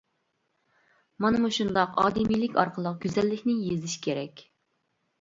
مانا مۇشۇنداق ئادىمىيلىك ئارقىلىق گۈزەللىكنى يېزىش كېرەك.